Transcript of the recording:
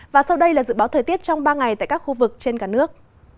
và sau đây là dự báo thời tiết trong ba ngày tại các khu vực trên cả nước